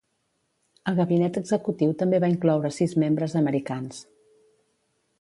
El Gabinet Executiu també va incloure sis membres americans.